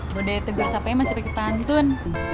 budaya tegur sapa emang sedikit pantun